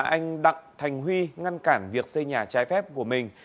anh đặng thành huy ngăn cản việc xây nhà trái phép của mình